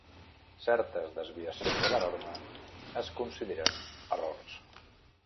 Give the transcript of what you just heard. Certes desviacions de la norma es consideren "errors".